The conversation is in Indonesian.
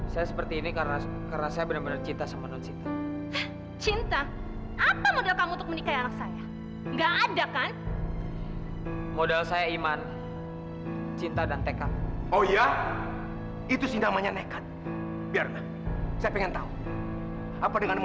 saksikan series ipa dan ips di gtv